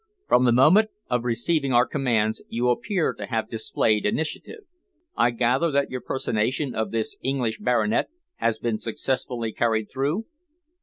From the moment of receiving our commands you appear to have displayed initiative. I gather that your personation of this English baronet has been successfully carried through?"